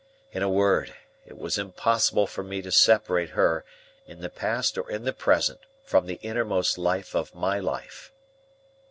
In a word, it was impossible for me to separate her, in the past or in the present, from the innermost life of my life.